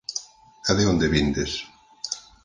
E de onde vindes?